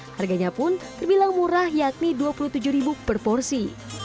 harganya pun terbilang murah yakni rp dua puluh tujuh per porsi